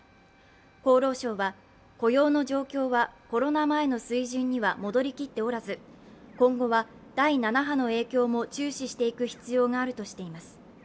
厚労省は、雇用の状況はコロナ前の水準には戻りきっておらず、今後は第７波の影響も注視していく必要があるとしています。